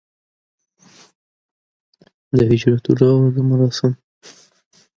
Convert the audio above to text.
Numerical designations were assigned individually for each developer to aircraft when they entered service.